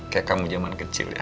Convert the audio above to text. kayak kamu zaman kecil ya